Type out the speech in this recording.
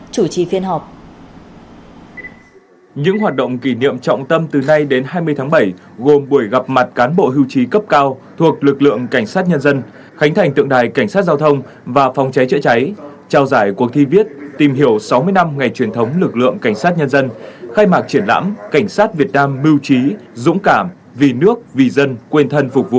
cũng nhân kỷ niệm sáu mươi năm ngày truyền thống lực lượng cảnh sát nhân dân bộ công an tổ chức triển lãm cảnh sát việt nam mưu trí dũng cảm vì nước vì dân quân thân phục vụ